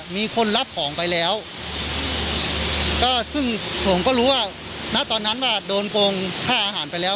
มีคนรับของไปแล้วก็ซึ่งผมก็รู้ว่าณตอนนั้นว่าโดนโกงค่าอาหารไปแล้ว